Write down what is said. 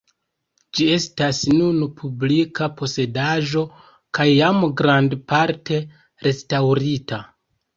Ĝi estas nun publika posedaĵo kaj jam grandparte restaŭrita.